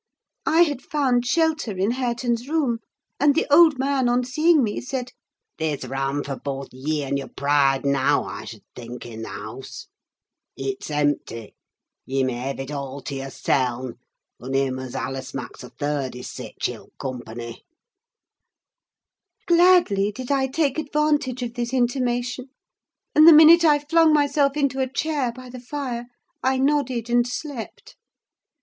I had found shelter in Hareton's room, and the old man, on seeing me, said,—"They's rahm for boath ye un' yer pride, now, I sud think i' the hahse. It's empty; ye may hev' it all to yerseln, un' Him as allas maks a third, i' sich ill company!" Gladly did I take advantage of this intimation; and the minute I flung myself into a chair, by the fire, I nodded, and slept.